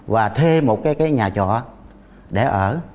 và thê một nhà trọ để ở